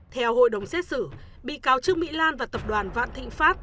theo hội đồng xét xử bị cáo trương mỹ lan và tập đoàn vạn thịnh pháp